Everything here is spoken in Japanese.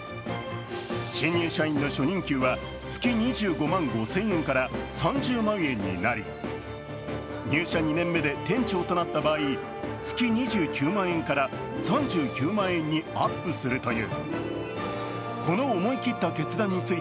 新入社員の初任給は月２５万５０００円から３０万円になり入社２年目で店長となった場合月２９万円から３９万円にアップするという。